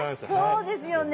そうですよね。